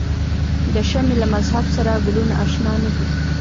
د شمعې له مذهب سره ګلونه آشنا نه دي.